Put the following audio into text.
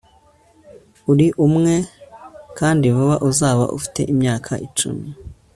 uri umwe kandi vuba uzaba ufite imyaka icumi